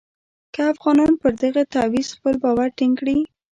که افغانان پر دغه تعویض خپل باور ټینګ کړي.